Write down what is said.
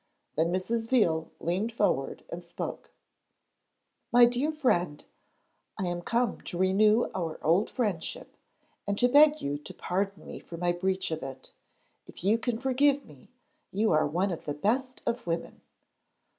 Then Mrs. Veal leaned forward and spoke: 'My dear friend, I am come to renew our old friendship, and to beg you to pardon me for my breach of it. If you can forgive me, you are one of the best of women.'